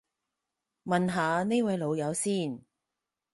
問下呢位老友先